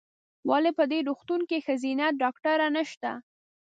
ولې په دي روغتون کې ښځېنه ډاکټره نشته ؟